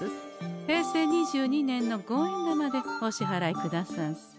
平成２２年の五円玉でおしはらいくださんせ。